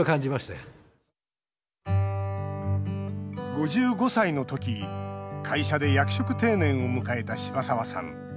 ５５歳の時会社で役職定年を迎えた柴澤さん。